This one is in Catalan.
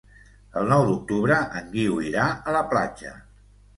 El nou d'octubre en Guiu irà a la platja.